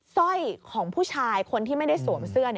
สร้อยของผู้ชายคนที่ไม่ได้สวมเสื้อ